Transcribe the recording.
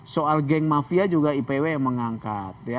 soal geng mafia juga ipw yang mengangkat